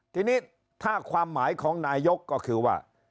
ทีนี้ถ้าความหมายของนายกก็คือว่า